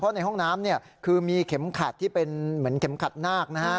ในห้องน้ำคือมีเข็มขัดที่เป็นเหมือนเข็มขัดนาคนะฮะ